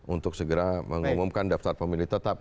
untuk segera mengumumkan daftar pemilih tetap